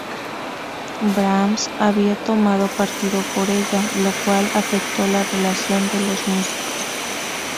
Brahms había tomado partido por ella, lo cual afectó la relación de los músicos.